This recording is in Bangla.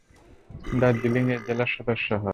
দার্জিলিং এই জেলার সদর শহর।